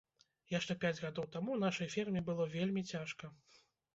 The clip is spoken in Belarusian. Яшчэ пяць гадоў таму нашай ферме было вельмі цяжка.